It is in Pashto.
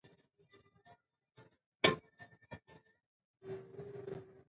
د قانون نه پلي کېدل بحران رامنځته کوي